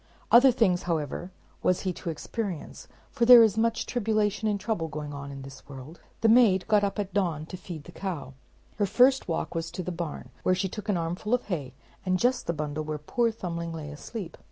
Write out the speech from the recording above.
Other things however, was he to experience, for there is much tribulation and trouble going on in this world. The maid got up at dawn of day to feed the cow. Her first walk was to the barn, where she took an armful of hay, and just the bundle where poor Thumbling lay asleep.